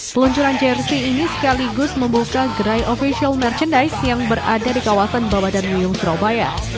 peluncuran jersey ini sekaligus membuka gerai official merchandise yang berada di kawasan bawah dan wiyung surabaya